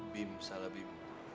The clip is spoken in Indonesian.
bim salah bim